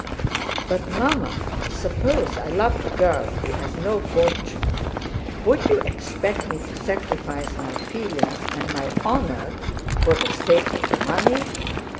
"But, Mamma, suppose I loved a girl who has no fortune, would you expect me to sacrifice my feelings and my honor for the sake of money?"